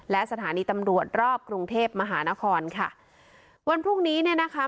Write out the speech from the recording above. และสถานีตำรวจรอบกรุงเทพมหานครค่ะวันพรุ่งนี้เนี่ยนะคะ